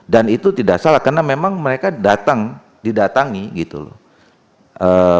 dan itu tidak salah karena memang mereka datang didatangi gitu loh